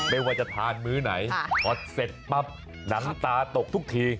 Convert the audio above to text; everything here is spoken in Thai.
ไม่ว่าจะทานมื้อไหนพอเสร็จปั๊บหนังตาตกทุกที